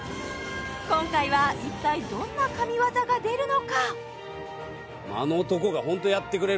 今回は一体どんな神業が出るのか？